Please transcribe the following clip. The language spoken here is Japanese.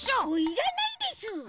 いらないです！